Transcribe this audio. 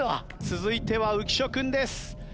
続いては浮所君です。